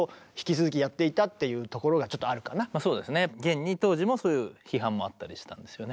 現に当時もそういう批判もあったりしたんですよね。